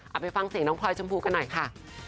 เอาไปฟังเสียงน้องพลอยชมพูกันหน่อยค่ะ